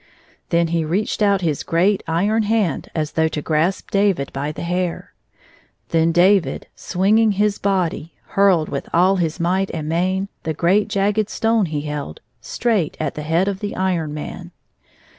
Then he reached out his great iron hand as though to grasp David by the hair. Then David, swinging his body, hurled, with all his might and main, the great jagged stone he held straight at the head of the Iron Man.